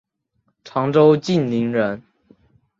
常州晋陵人。